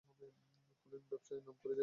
ফুলের ব্যবসায়ে নাম করেছে তার স্বামী আদিত্য।